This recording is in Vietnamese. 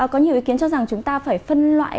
có nhiều ý kiến cho rằng chúng ta phải phân loại